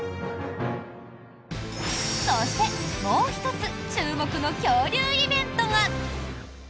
そして、もう１つ注目の恐竜イベントが！